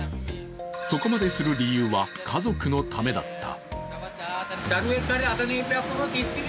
そこまでする理由は、家族のためだった。